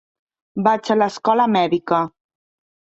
Vaig a l"escola mèdica.